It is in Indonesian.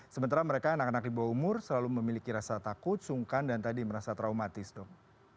sementara mereka anak anak di bawah umur selalu memiliki rasa takut sungkan dan tadi merasa traumatis dong